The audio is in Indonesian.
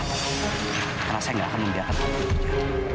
karena saya nggak akan membiarkan apapun dari dia